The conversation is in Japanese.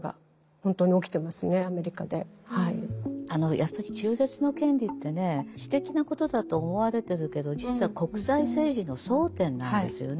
やっぱり中絶の権利ってね私的なことだと思われてるけど実は国際政治の争点なんですよね。